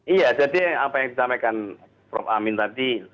iya jadi apa yang disampaikan prof amin tadi